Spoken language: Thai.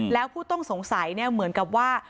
และผู้ต้องสงสัยเนี่ยเหมือนกับว่า